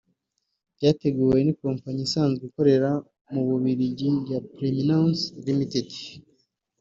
byateguwe n’ikompanyi isanzwe ikorera mu Bubiligi ya Preeminence Ltd